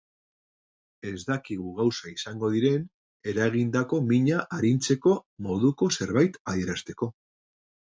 Ez dakigu gauza izango diren eragindako mina arintzeko moduko zerbait adierazteko.